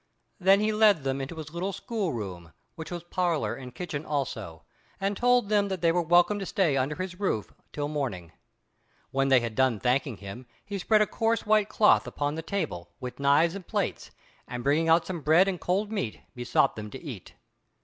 Then he led them into his little school room, which was parlour and kitchen also, and told them that they were welcome to stay under his roof till morning. Before they had done thanking him, he spread a coarse white cloth upon the table, with knives and plates, and bringing out some bread and cold meat besought them to eat.